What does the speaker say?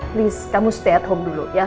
please kamu stay at home dulu